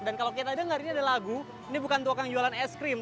dan kalau kita dengar ini ada lagu ini bukan tukang jualan es krim